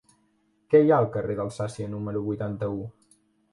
Què hi ha al carrer d'Alsàcia número vuitanta-u?